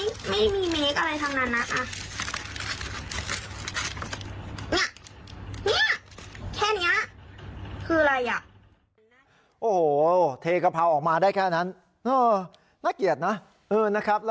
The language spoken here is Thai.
โอ้โหเทกะเพราออกมาได้แค่นั้นน่าเกลียดนะ